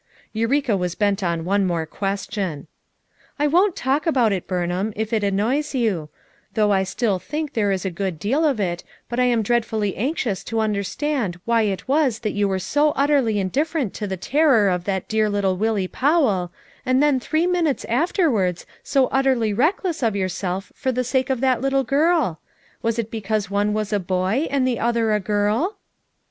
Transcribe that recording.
Eureka was bent on one more question. "I won't talk about it, Burnham, if it an noys you; though I still think there is a good deal of it, but I am dreadfully anxious to un derstand why it was that you were so utterly indifferent to the terror of that dear little 208 FOUR MOTHEES AT CHAUTAUQUA "Willie Powell, and then three minutes after wards so utterly reckless of yourself for the sake of that little girl Was it because one was a hoy, and the other a girl!"